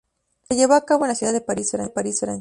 Se llevó a cabo en la ciudad de París, Francia.